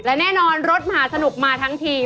และแน่นอนรถมหาสนุกมาทั้งที